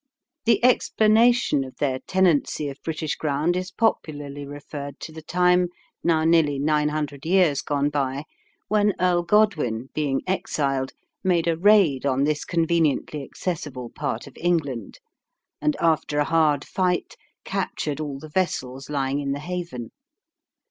The explanation of their tenancy of British ground is popularly referred to the time, now nearly nine hundred years gone by, when Earl Godwin, being exiled, made a raid on this conveniently accessible part of England, and after a hard fight captured all the vessels lying in the haven.